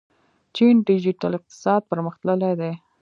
چین ډیجیټل اقتصاد پرمختللی دی.